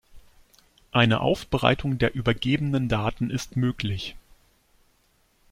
Eine Aufbereitung der übergebenen Daten ist möglich.